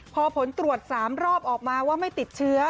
พอผลตรวจ๓รอบออกมาว่าไม่ติดเชื้อ